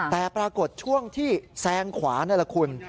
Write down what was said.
แต่ปรากฏช่วงที่แซงขวานี่แหละคุณ